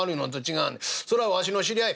そらわしの知り合い」。